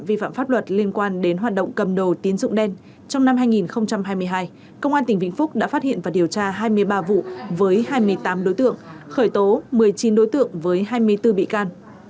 vi phạm pháp luật liên quan đến hoạt động cầm đồ tiến dụng đen trong năm hai nghìn hai mươi hai công an tỉnh vĩnh phúc đã phát hiện và điều tra hai mươi ba vụ với hai mươi tám đối tượng khởi tố một mươi chín đối tượng với hai mươi bốn bị can